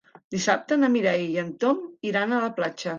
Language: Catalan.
Dissabte na Mireia i en Tom iran a la platja.